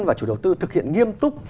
và chủ đầu tư thực hiện nghiêm túc